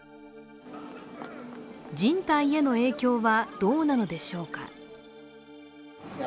人体への影響はどうなのでしょうか。